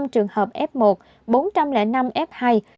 một trăm năm mươi năm trường hợp f một bốn trăm linh năm f hai